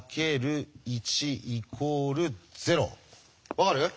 分かる？